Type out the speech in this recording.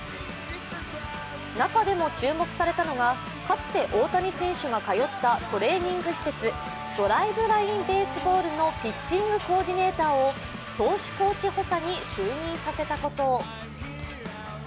中でも注目されたのが、かつて大谷選手が通ったトレーニング施設ドライブライン・ベースボールのピッチングコーディネーターを投手コーチ補佐に就任させたこと。